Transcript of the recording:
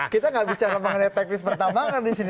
kita gak bicara mengenai teknis pertambangan disini